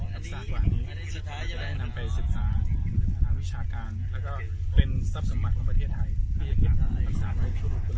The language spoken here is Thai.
ตัวซากวานนี้จะได้นำไปศึกษาหวิชาการและก็เป็นทรัพย์สมบัติของประเทศไทยที่จะเก็บศัพท์ในชั่วโรงงานต่อไป